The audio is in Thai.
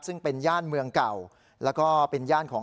ซึ่งเป็นย่านเมืองเก่าแล้วก็เป็นย่านของ